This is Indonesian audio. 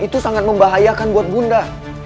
itu sangat membahayakan buat bunda